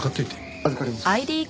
預かります。